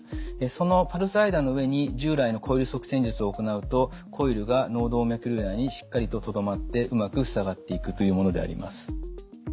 そのパルスライダーの上に従来のコイル塞栓術を行うとコイルが脳動脈瘤内にしっかりととどまってうまく塞がっていくというものであります。